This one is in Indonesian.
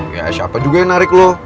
ya siapa juga yang narik loh